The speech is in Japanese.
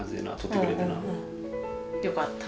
よかった。